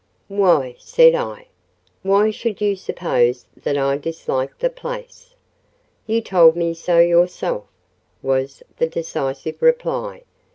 "Why," said I—"why should you suppose that I dislike the place?" "You told me so yourself," was the decisive reply.